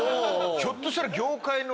ひょっとしたら。